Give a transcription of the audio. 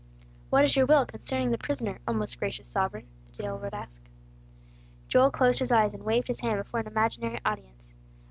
"What is your will concerning the prisoner, O most gracious sovereign," the jailer would ask. Joel closed his eyes, and waved his hand before an imaginary audience.